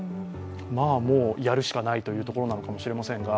もうやるしかないというところなのかもしれませんが。